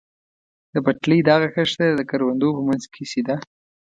د پټلۍ دغه کرښه د کروندو په منځ کې سیده.